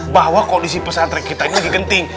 bahwa kondisi pesantren kita ini lagi genting